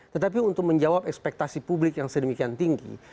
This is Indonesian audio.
tetapi untuk menjawab ekspektasi publik yang sedemikian tinggi